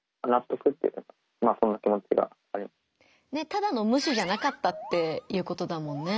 ただの無視じゃなかったっていうことだもんね。